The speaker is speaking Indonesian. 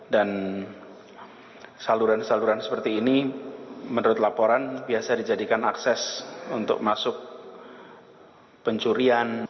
dan saluran saluran seperti ini menurut laporan biasa dijadikan akses untuk masuk pencurian